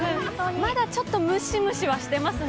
まだちょっとムシムシはしてますね。